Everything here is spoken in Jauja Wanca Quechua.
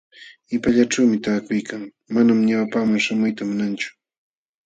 Qipallaćhuumi taakuykan, manam ñawpaqman śhamuyta munanchu.